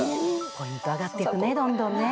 ポイント上がってくねどんどんね。